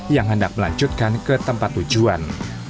yang hendak melanjutkan ke tempat tujuan